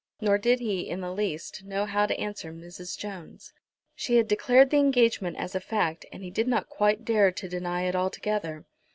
Nor did he, in the least, know how to answer Mrs. Jones. She had declared the engagement as a fact, and he did not quite dare to deny it altogether.